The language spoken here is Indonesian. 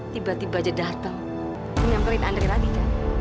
tiba tiba dia datang menyamperin andri lagi kak